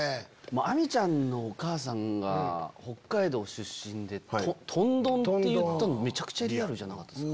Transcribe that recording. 亜美ちゃんのお母さんが北海道出身でとん丼って言ったのめちゃくちゃリアルじゃなかったっすか？